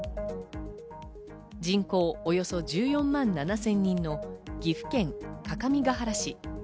人口およそ１４万７０００人の岐阜県各務原市。